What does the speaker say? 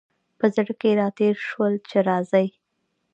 په زړه کي را تېر شول چي راځي !